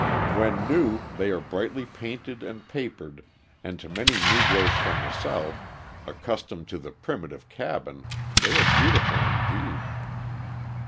When new they are brightly painted and papered and to many Negroes from the South, accustomed to the primitive cabin, they are beautiful indeed.